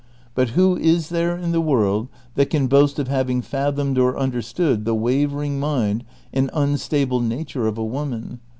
But who is there in the world that can boast of liaving fathomed or understood the wavering mind and unstable nature of a woman